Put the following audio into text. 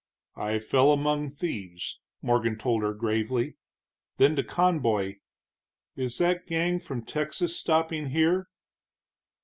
"I fell among thieves," Morgan told her, gravely. Then to Conboy: "Is that gang from Texas stopping here?"